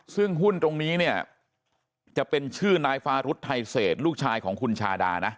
ซึ่งหุ้นตรงนี้เนี่ยจะเป็นชื่อนายฟารุธไทยเศษลูกชายของคุณชาดานะ